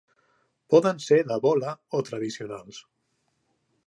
Poden ser de bola o tradicionals.